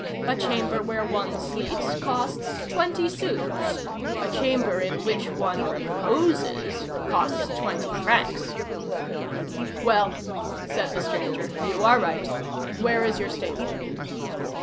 A chamber where one sleeps costs twenty sous; a chamber in which one reposes costs twenty francs. "Well!" said the stranger, "you are right. Where is your stable?"